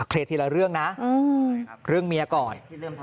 อักเครตทีละเรื่องนะเรื่องเมียก่อน